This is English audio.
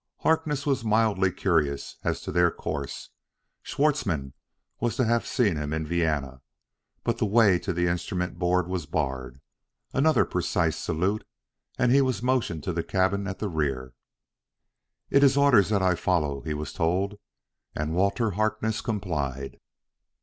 Harkness was mildly curious as to their course Schwartzmann was to have seen him in Vienna but the way to the instrument board was barred. Another precise salute, and he was motioned to the cabin at the rear. "It is orders that I follow," he was told. And Walter Harkness complied.